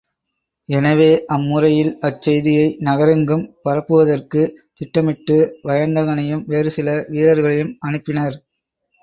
எனவே அம்முறையில் அச்செய்தியை நகரெங்கும் பரப்புவதற்குத் திட்டமிட்டு வயந்தகனையும் வேறு சில வீரர்களையும் அனுப்பினர்.